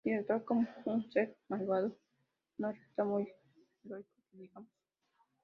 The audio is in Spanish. Y actuar como un ser malvado no resulta muy heroico que digamos.